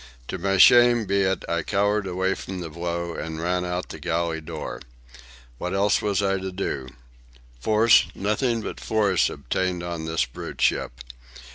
To my shame be it, I cowered away from the blow and ran out the galley door. What else was I to do? Force, nothing but force, obtained on this brute ship.